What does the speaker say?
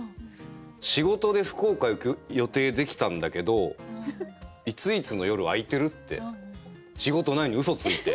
「仕事で福岡行く予定できたんだけどいついつの夜空いてる？」って仕事ないのにウソついて。